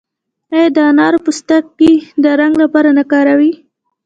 آیا د انارو پوستکي د رنګ لپاره نه کاروي؟